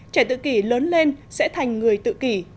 trẻ tự kỷ lớn lên sẽ thành người tự kỷ